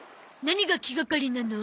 何が気がかりなの？